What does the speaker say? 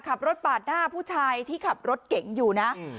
ขับรถปาดหน้าผู้ชายที่ขับรถเก่งอยู่นะ